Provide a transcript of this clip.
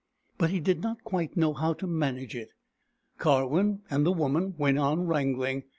But he did not quite know how to manage it. Karwin and the woman went on wrangling.